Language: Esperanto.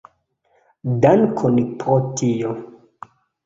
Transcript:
Dankon pro tio.